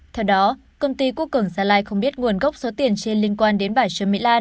theo đó công ty quốc cường gia lai không biết nguồn gốc số tiền trên liên quan đến bà trương mỹ lan